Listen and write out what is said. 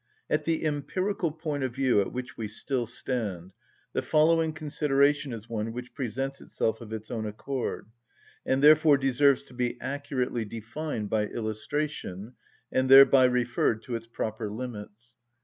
At the empirical point of view at which we still stand, the following consideration is one which presents itself of its own accord, and therefore deserves to be accurately defined by illustration, and thereby referred to its proper limits.